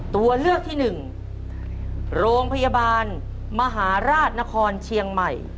ตัวเอง